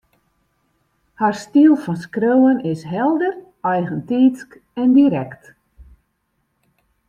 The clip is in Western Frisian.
Har styl fan skriuwen is helder, eigentiidsk en direkt